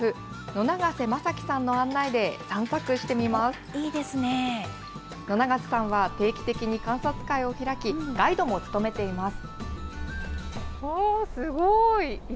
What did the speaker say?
野長瀬さんは定期的に観察会を開き、ガイドも務めています。